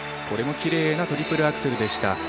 これもきれいなトリプルアクセルでした。